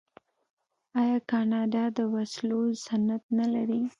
آیا کاناډا د وسلو صنعت نلري؟